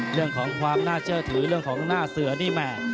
เรื่องของความน่าเชื่อถือเรื่องของหน้าเสือนี่แม่